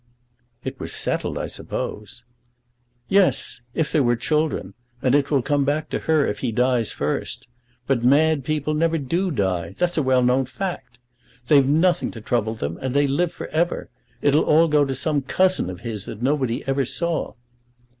"It was settled, I suppose." "Yes; if there were children. And it will come back to her if he dies first. But mad people never do die. That's a well known fact. They've nothing to trouble them, and they live for ever. It'll all go to some cousin of his that nobody ever saw."